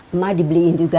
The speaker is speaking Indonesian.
emak dibeliin juga